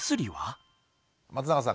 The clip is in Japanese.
松永さん